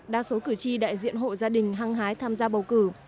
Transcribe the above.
đa số cử tri đại diện hộ gia đình hăng hái tham gia bầu cử